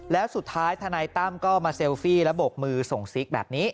แล้วสุดท้ายธนายตั้มก็มาเซลฟี่แล้วบกมือส่งซิกแบบนี้